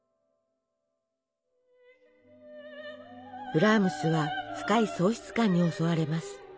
ブラームスは深い喪失感に襲われます。